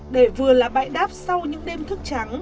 để vừa là bãi đáp sau những đêm thức trắng